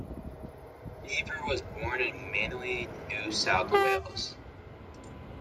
Beaver was born in Manly, New South Wales.